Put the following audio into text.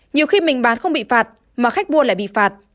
nhiều khi mình bán không bị phạt mà khách mua lại bị phạt